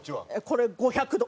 これ５００度。